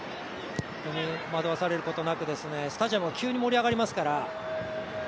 それに惑わされることなくスタジアムは急に盛り上がりますから。